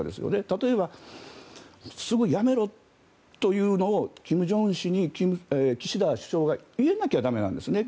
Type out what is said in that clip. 例えば、すぐにやめろというのを金正恩氏に岸田首相が言えなきゃ駄目なんですね。